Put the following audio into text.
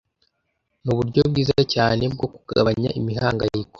Nuburyo bwiza cyane bwo kugabanya imihangayiko.